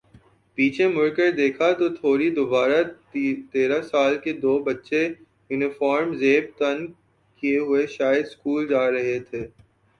پیچھے مڑ کر دیکھا تو تھوڑی دوربارہ تیرہ سال کے دو بچے یونیفارم زیب تن کئے ہوئے شاید سکول جارہے تھے